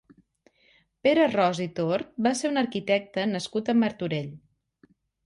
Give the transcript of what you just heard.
Pere Ros i Tort va ser un arquitecte nascut a Martorell.